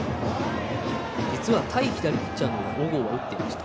対左ピッチャーの方が小郷は打っていました。